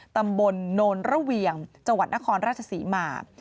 ตำบลโนนระเวียงจนครราชศรีมา